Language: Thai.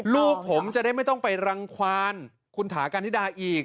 ลูกผมจะได้ไม่ต้องไปรังความคุณถากันนิดาอีก